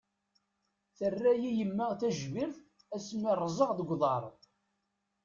Terra-iyi yemma tajbirt ass mi ṛẓeɣ deg uḍaṛ.